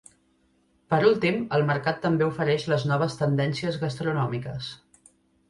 Per últim, el mercat també ofereix les noves tendències gastronòmiques.